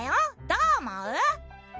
どう思う？